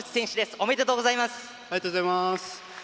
ありがとうございます。